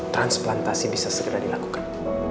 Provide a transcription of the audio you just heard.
transplantasi bisa segera dilakukan